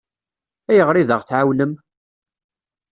Ayɣer i d-aɣ-tɛawnem?